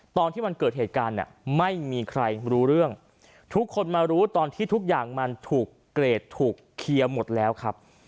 ตอนที่มันเกิดเหตุการณ์เนี่ยไม่มีใครรู้เรื่องทุกคนมารู้ตอนที่ทุกอย่างมันถูกเกรดถูกเคลียร์หมดแล้วครับ